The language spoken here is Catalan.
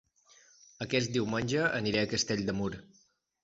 Aquest diumenge aniré a Castell de Mur